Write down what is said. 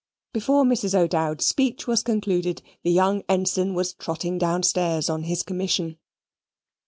Before Mrs. O'Dowd's speech was concluded, the young Ensign was trotting downstairs on his commission.